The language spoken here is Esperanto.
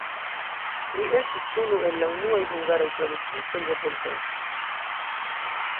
Li estis unu el unuaj hungaraj tradukistoj de Voltaire.